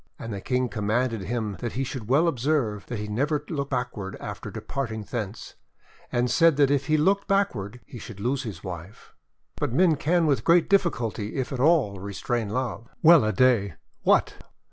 And the King commanded him that he should well observe that he never look backward after departing thence, and said that if he looked backward he should lose his wife. But men can with great difficulty, if at all, restrain love! Well a day! What!